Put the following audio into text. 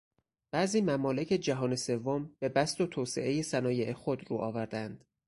بعضی ممالک جهان سوم به بسط و توسعهٔ صنایع خود رو آورده اند.